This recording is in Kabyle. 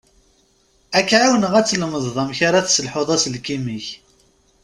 Ad k-εiwneɣ ad tlemdeḍ amek ara tesselḥuḍ aselkim-ik.